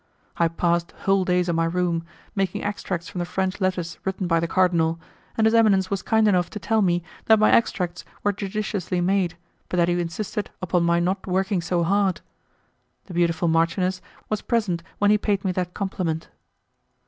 I passed whole days in my room, making extracts from the French letters written by the cardinal, and his eminence was kind enough to tell me that my extracts were judiciously made, but that he insisted upon my not working so hard. The beautiful marchioness was present when he paid me that compliment.